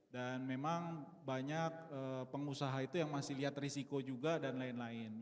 dan memang banyak pengusaha itu yang masih lihat risiko juga dan lain lain